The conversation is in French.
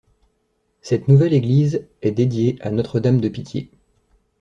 Cette nouvelle église est dédiée à Notre-Dame-de-Pitié.